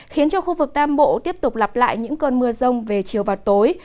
khiến cho khu vực nam bộ tiếp tục lặp lại những cơn mưa rông về chiều và tối